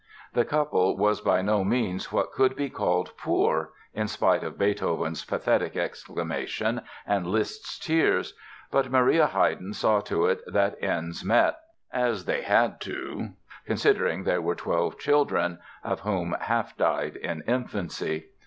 The couple was by no means what could be called "poor" (in spite of Beethoven's pathetic exclamation and Liszt's tears!), but Maria Haydn saw to it that ends met, as they had to, considering there were twelve children (of whom half died in infancy).